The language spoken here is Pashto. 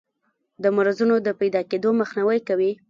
د مرضونو د پیداکیدو مخنیوی کوي.